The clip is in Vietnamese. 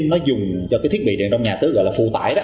nó dùng cho thiết bị điện trong nhà tư gọi là phù tải